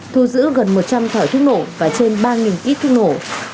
thu giữ gần một trăm linh thỏa thức nổ và trên ba ít thức nổ